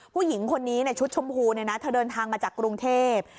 ผู้หญิงคนนี้ชุดชมพูเธอเดินทางมาจากกรุงเทพ